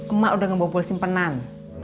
emak udah ngebawa polisi penan